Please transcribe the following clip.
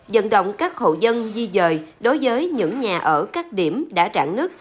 dần động các hậu dân di dời đối với những nhà ở các điểm đã trạng nứt